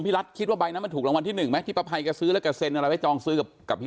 พี่ไม่สามารถรู้ได้เพราะว่าพี่เป็นคนขายแล้วก็ไม่ได้ถ่ายรูปไว้